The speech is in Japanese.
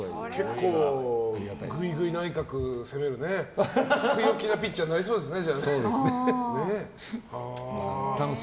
結構グイグイ内角を攻める強気なピッチャーになりそうですね。